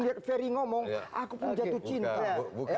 lihat ferry ngomong aku pun jatuh cinta